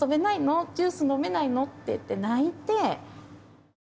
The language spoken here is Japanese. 「ジュース飲めないの？」って言って泣いて。